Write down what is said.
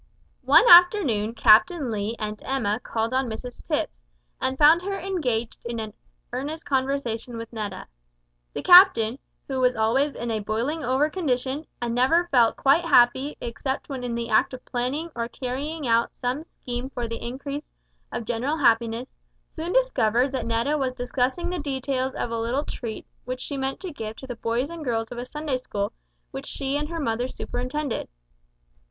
One afternoon Captain Lee and Emma called on Mrs Tipps, and found her engaged in earnest conversation with Netta. The captain, who was always in a boiling over condition, and never felt quite happy except when in the act of planning or carrying out some scheme for the increase of general happiness, soon discovered that Netta was discussing the details of a little treat which she meant to give to the boys and girls of a Sunday school which she and her mother superintended.